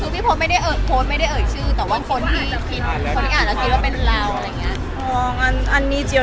พี่บอกว่าพี่โพสกลับถึงระหลกคนนึงอะไรอย่างเงี้ย